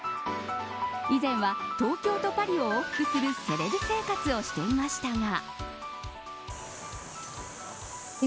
以前は東京とパリを往復するセレブ生活をしていましたが。